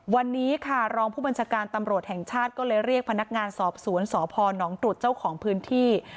วันนี้ค่ะรองผู้บัญชาการตำรวจแห่งชาติก็เลยเรียกพนักงานสอบสวนสพนตรุษเจ้าของพื้นที่